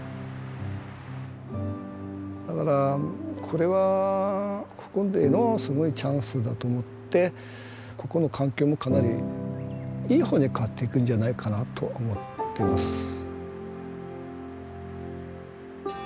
だからこれはここでのすごいチャンスだと思ってここの環境もかなりいい方に変わっていくんじゃないかなと思ってます。